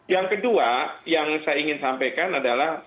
yang kedua yang saya ingin sampaikan adalah